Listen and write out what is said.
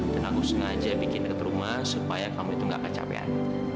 dan aku sengaja bikin dekat rumah supaya kamu itu nggak kecapean